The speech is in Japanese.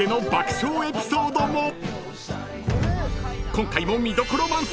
［今回も見どころ満載］